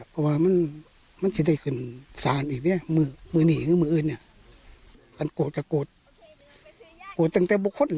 เพราะว่ามันจะได้คุณสาวมีมือหนีไม่มีมืออื่น